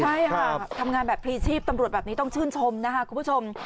ใช่ค่ะทำงานแบบพรีชีพตำรวจแบบนี้ต้องชื่นชมนะคะคุณผู้ชม